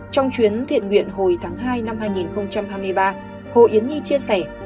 trong chuyến thiện nguyện hồi tháng hai năm hai nghìn hai mươi ba hồ yến nhi chia sẻ